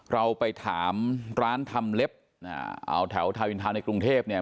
เราไปถามร้านทำเล็บเอาแถวทาวินทาในกรุงเทพเนี่ย